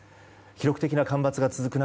記録的な干ばつが続く